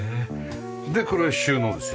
でこれが収納ですよね？